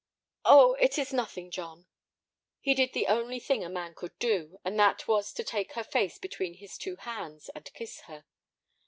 "Oh, it is nothing, John!" He did the only thing a man could do, and that was to take her face between his two hands and kiss her.